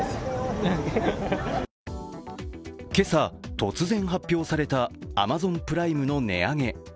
今朝、突然発表されたアマゾンプライムの値上げ。